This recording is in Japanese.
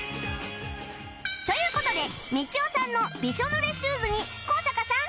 という事でみちおさんのびしょ濡れシューズに高坂さん